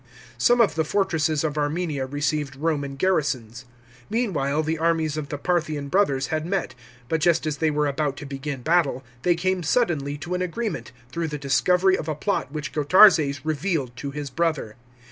Some of the fortresses of Armenia received Roman garrisons. Meanwhile the armies of the Parthian brothers had met, but just as they were about to begin battle, they came suddenly to an agreement, through the discovery of a plot which Gotarzes revealed to his brother.